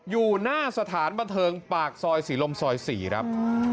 อยู่หน้าสถานบันเทิงปากซอยศรีลมซอย๔ครับ